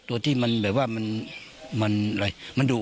ตัวที่มันดุ